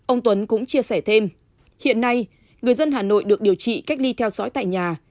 ông tuấn cũng chia sẻ thêm hiện nay người dân hà nội được điều trị cách ly theo dõi tại nhà